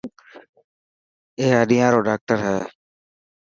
اي هڏيان رو ڊاڪٽر هي.